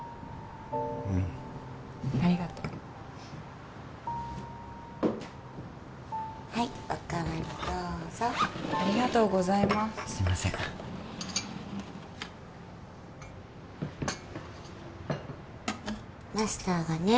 うんありがとうはいお代わりどうぞありがとうございますすいませんマスターがね